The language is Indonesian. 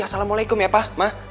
assalamualaikum ya pak ma